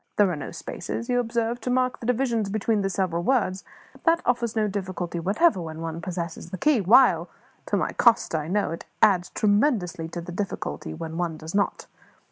There are no spaces, you observe, to mark the divisions between the several words; but that offers no difficulty whatever when one possesses the key; while to my cost I know it it adds tremendously to the difficulty when one does not.